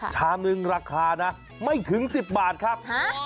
ชามือลักษณะไม่ถึง๑๐บาทครับ